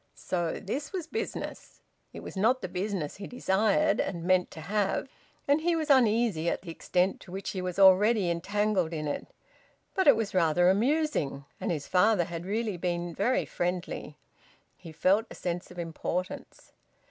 So this was business! It was not the business he desired and meant to have; and he was uneasy at the extent to which he was already entangled in it; but it was rather amusing, and his father had really been very friendly. He felt a sense of importance.